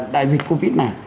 đại dịch covid này